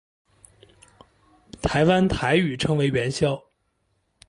台湾台语称为元宵。